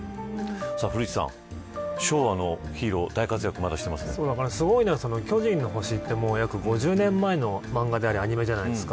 古市さん、昭和のヒーローすごいのは巨人の星は約５０年前の漫画でありアニメじゃないですか。